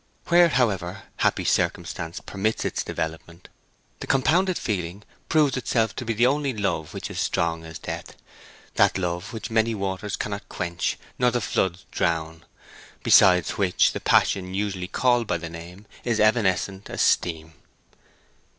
Where, however, happy circumstance permits its development, the compounded feeling proves itself to be the only love which is strong as death—that love which many waters cannot quench, nor the floods drown, beside which the passion usually called by the name is evanescent as steam.